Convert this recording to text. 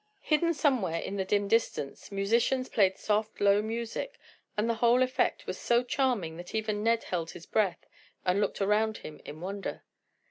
Hidden somewhere in the dim distance, musicians played soft, low music and the whole effect was so charming that even Ned held his breath and looked around him in wonder.